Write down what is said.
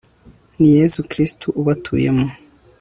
ni yezu kristu ubatuyemo